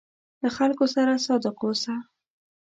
له خلکو سره صادق اوسه.